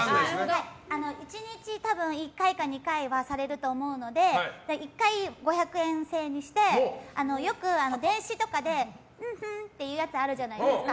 １日１回か２回はされると思うので１回５００円制にしてよく電子とかでウウーンみたいなのあるじゃないですか。